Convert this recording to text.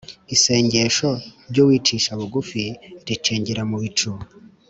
Isengesho ry’uwicisha bugufi ricengera mu bicu,